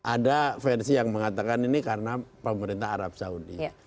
ada versi yang mengatakan ini karena pemerintah arab saudi